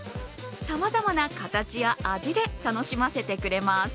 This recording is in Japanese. さまざまな形や味で楽しませてくれます。